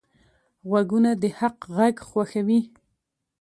غوږونه د حق غږ خوښوي